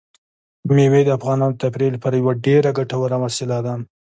مېوې د افغانانو د تفریح لپاره یوه ډېره ګټوره وسیله ده.